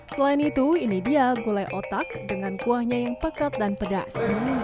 selain itu ini dia gulai otak dengan kuahnya yang pekat dan pedas